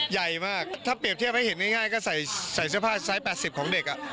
ใหญ่มากถ้าเปรียบเทียบให้เห็นง่ายก็ใส่เสื้อผ้าไซส์๘๐ของเด็ก